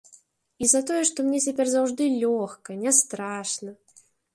І за тое, што мне цяпер заўжды лёгка, нястрашна.